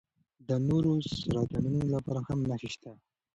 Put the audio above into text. د نورو سرطانونو لپاره هم نښې شته.